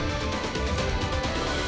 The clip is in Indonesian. anak anak orang denver juga tetem